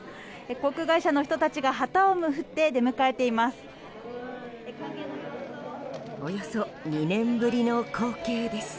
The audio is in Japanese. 航空会社の人たちが旗を振って出迎えています。